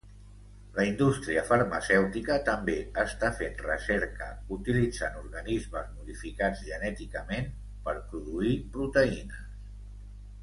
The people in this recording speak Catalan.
La indústria farmacèutica també està fent recerca utilitzant organismes modificats genèticament per produir proteïnes terapèutiques.